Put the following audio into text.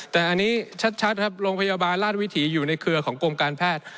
แต่อันนี้ชัดครับโรงพยาบาลราชวิถีอยู่ในเครือของกรมการแพทย์